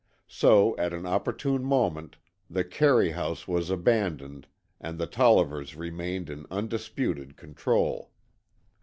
So at an opportune moment the Carey House was abandoned and the Tollivers remained in undisputed control.